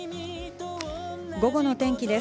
午後のお天気です。